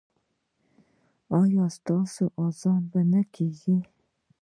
ایا ستاسو اذان به نه کیږي؟